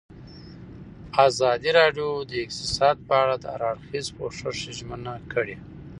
ازادي راډیو د اقتصاد په اړه د هر اړخیز پوښښ ژمنه کړې.